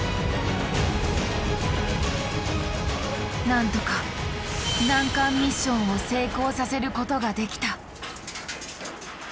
何とか難関ミッションを成功させることができた。